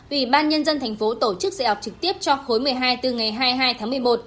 ủy ban nhân dân thành phố tổ chức dạy học trực tiếp cho khối một mươi hai từ ngày hai mươi hai tháng một mươi một